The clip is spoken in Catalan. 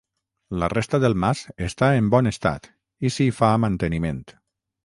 La resta del mas està en bon estat i s'hi fa manteniment.